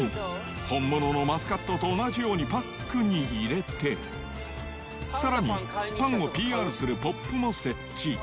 本物のマスカットと同じようにパックに入れて、さらに、パンをＰＲするポップも設置。